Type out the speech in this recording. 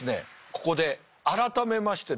ここで改めましてですね